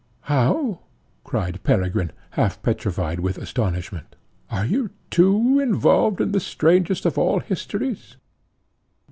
"How!" cried Peregrine, half petrified with astonishment, "are you too involved in the strangest of all histories?"